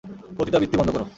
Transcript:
পতিতাবৃত্তি বন্ধ করো!